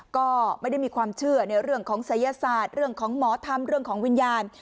ก็ไม่ได้มีความเชื่อในเรื่องของศัยศาสตร์เรื่องของหมอธรรมเรื่องของวิญญาณ